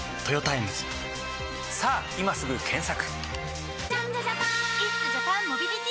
さぁ今すぐ検索！